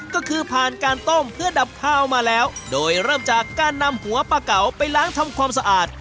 ก็คือผ่านการต้มเพื่อดับข้าวมาแล้วโดยเริ่มจากการนำหัวปลาเก๋าไปล้างทำความสะอาด